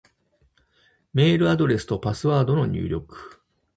メールアドレスとパスワードの入力